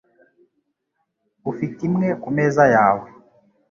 Ufite imwe kumeza yawe